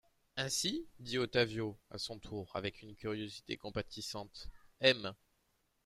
Ainsi, dit Ottavio, à son tour, avec une curiosité compatissante, M.